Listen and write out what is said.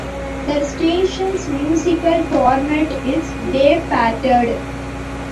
The station's musical format is dayparted.